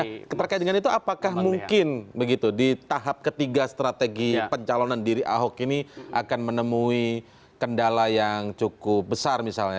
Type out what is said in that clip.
nah terkait dengan itu apakah mungkin begitu di tahap ketiga strategi pencalonan diri ahok ini akan menemui kendala yang cukup besar misalnya